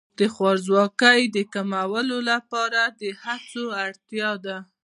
د خوارځواکۍ د کمولو لپاره د هڅو اړتیا ده.